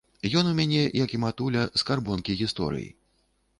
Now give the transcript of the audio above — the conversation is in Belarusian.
Ён у мяне, як і матуля, скарбонкі гісторый.